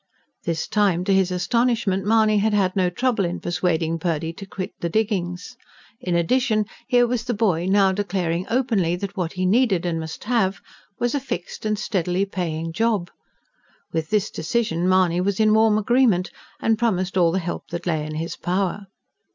This time, to his astonishment, Mahony had had no trouble in persuading Purdy to quit the diggings. In addition, here was the boy now declaring openly that what he needed, and must have, was a fixed and steadily paying job. With this decision Mahony was in warm agreement, and promised all the help that lay in his power.